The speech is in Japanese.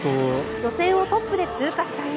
予選をトップで通過した乾。